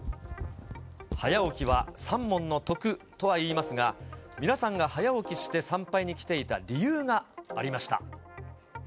早起きは三文の徳とはいいますが、皆さんが早起きして参拝に来ていた理由がありました。